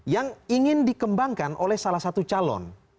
yang ingin dikembangkan oleh salah satu calon